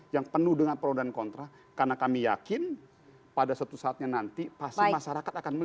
yang penuh dengan pro dan kontra karena kami yakin pada suatu saatnya nanti pasti masyarakat akan memilih